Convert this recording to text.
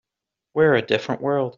We're a different world.